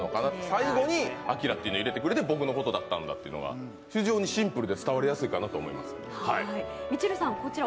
最後にアキラというのを入れてくれ、僕のことだったんだというのが非常にシンプルで分かりやすいと思います。